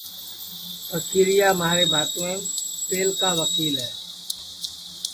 پھکیریا مھارے بھاتوئیم پہلکا وکیل ہے